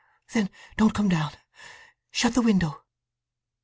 "Then don't come down. Shut the window."